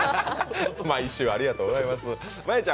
毎週ありがとうございます。